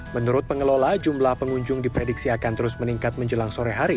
menurut pengelola jumlah pengunjung diprediksi akan terus meningkat menjelang sore hari